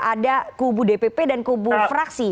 ada kubu dpp dan kubu fraksi